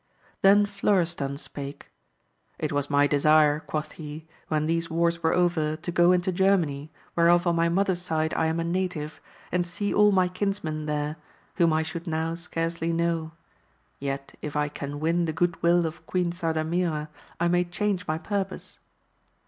Then Florestan spake, It was my desire, quoth he, when these wars were over, to go into Germany, whereof on my mother's side I am a native, and see all my kinsmen there, whom I should now scarcely know ; yet if I can win the good will of Queen Sardamira I may change my puipose.